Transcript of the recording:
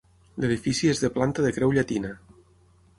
L'edifici és de planta de creu llatina.